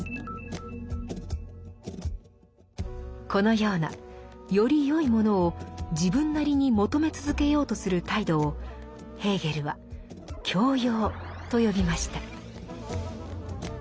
このようなよりよいものを自分なりに求め続けようとする態度をヘーゲルは「教養」と呼びました。